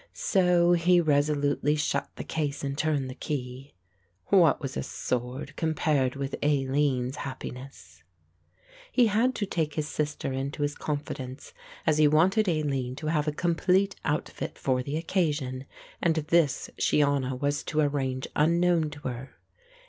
So he resolutely shut the case and turned the key. "What was a sword compared with Aline's happiness?" He had to take his sister into his confidence, as he wanted Aline to have a complete outfit for the occasion, and this Shiona was to arrange unknown to her.